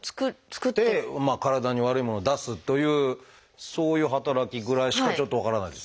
作って体に悪いものを出すというそういう働きぐらいしかちょっと分からないですが。